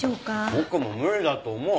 僕も無理だと思う。